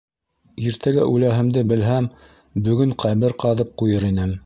Иртәгә үләһемде белһәм, бөгөн ҡәбер ҡаҙып ҡуйыр инем.